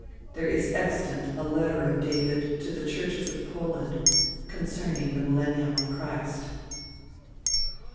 There is extant a letter of David to the Churches of Poland concerning the millennium of Christ.